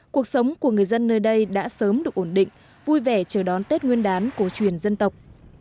cuộc sống của người dân nơi đây đã sớm được ổn định vui vẻ chờ đón tết nguyên đán cổ truyền dân tộc